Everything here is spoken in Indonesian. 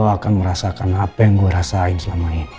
aku akan merasakan apa yang gue rasain selama ini